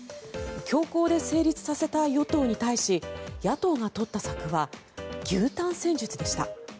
強行で成立させたい与党に対し野党が取った策は牛タン戦術でした。